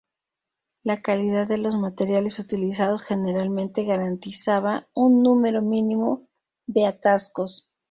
La calidad de los materiales utilizados generalmente garantizaba un número mínimo de atascos.